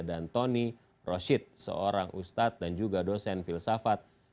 dan tony roshid seorang ustad dan juga dosen filsafat